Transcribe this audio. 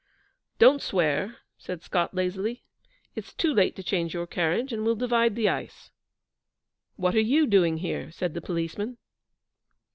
'Don't swear,' said Scott, lazily; 'it's too late to change your carriage; and we'll divide the ice.' 'What are you doing here?' said the policeman.